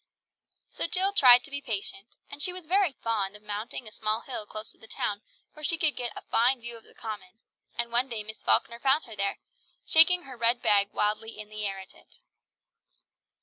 So Jill tried to be patient, and she was very fond of mounting a small hill close to the town where she could get a fine view of the Common, and one day Miss Falkner found her there, shaking her red bag wildly in the air at it.